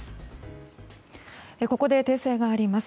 ここで訂正があります。